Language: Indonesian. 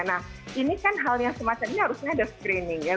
nah ini kan hal yang semacam ini harusnya ada screening ya